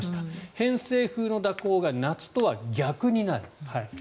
偏西風の蛇行が夏とは逆になる。